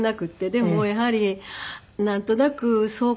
でもやはりなんとなくそうかなっていう。